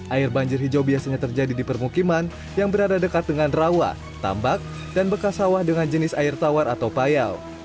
air banjir hijau biasanya terjadi di permukiman yang berada dekat dengan rawa tambak dan bekas sawah dengan jenis air tawar atau payau